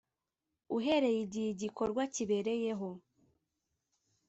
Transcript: uhereye igihe igikorwa kibereyeho